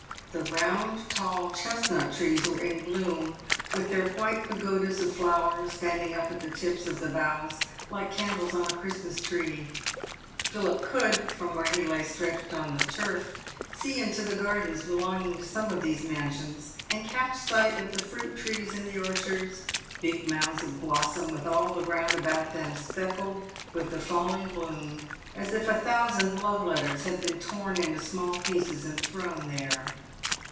The round, tall chesnut trees were in bloom, with their white pagodas of flowers standing up at the tips of the "boughs like candles on a Christmas tree. Philip could, from where he lay stretched on the turf, see into the gardens belonging to some of these mansions and catch sight of the fruit trees in the orchards, big mounds of blossom with all the ground about them speckled with the falling bloom, as if a thousand love letters had been torn into small pieces and thrown there.